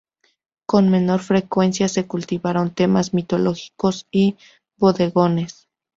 Con menor frecuencia, se cultivaron temas mitológicos y bodegones.